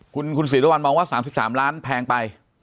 คุณศิษยาวันมองว่า๓๓ล้านแพงไป